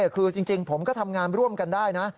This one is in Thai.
คือจริงผมก็ทำงานร่วมกันได้นะ